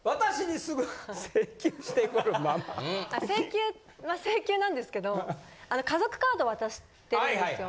請求まあ請求なんですけどあの家族カード渡してるんですよ。